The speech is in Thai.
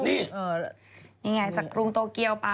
นี่นี่ไงจากกรุงโตเกียวไป